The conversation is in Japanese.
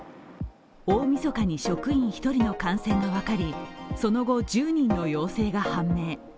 大みそかに職員１人の感染が分かりその後、１０人の陽性が判明。